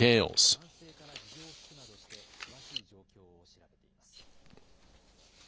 警視庁は男性から事情を聞くなどして、詳しい状況を調べています。